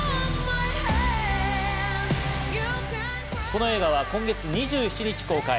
この映画は今月２７日公開。